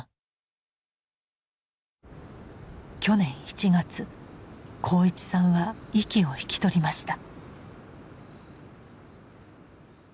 去年１月鋼一さんは息を引き取りました。